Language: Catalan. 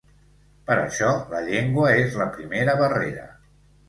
Per això, la llengua és la primera barrera.